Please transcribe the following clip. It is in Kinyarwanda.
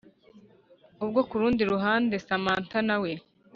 ubwo kurundi ruhande samantha nawe